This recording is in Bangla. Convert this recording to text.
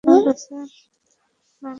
না দাদি, কেন?